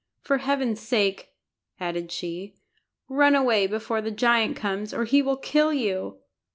For Heaven's sake," added she, "run away before the giant comes, or he will kill you!"